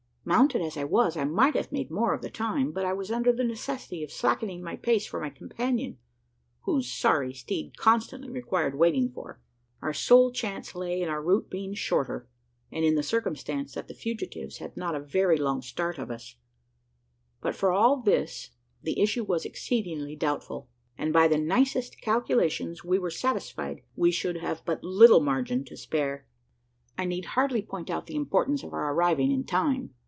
Mounted as I was, I might have made more of the time; but I was under the necessity of slackening pace for my companion whose sorry steed constantly required waiting for. Our sole chance lay in our route being shorter, and in the circumstance that the fugitives had not a very long start of us; but for all this the issue was exceedingly doubtful; and by the nicest calculations, we were satisfied we should have but little margin to spare. I need hardly point out the importance of our arriving in time.